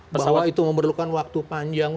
bahwa itu memerlukan waktu panjang